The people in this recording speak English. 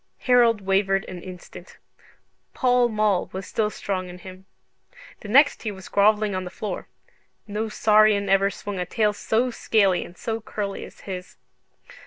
Harold wavered an instant: Pall Mall was still strong in him. The next he was grovelling on the floor. No saurian ever swung a tail so scaly and so curly as his.